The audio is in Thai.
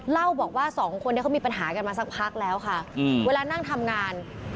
เล่าบอกว่าสองคนนี้เขามีปัญหากันมาสักพักแล้วค่ะเวลานั่งทำงาน